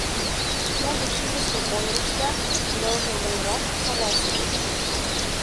Тудо кидыштым ойырыш да ныжылгынрак каласыш: